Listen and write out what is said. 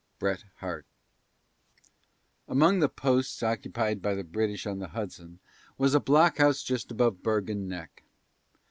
BRET HARTE. Among the posts occupied by the British on the Hudson was a blockhouse just above Bergen Neck.